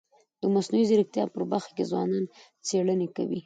د مصنوعي ځیرکتیا په برخه کي ځوانان څيړني کوي.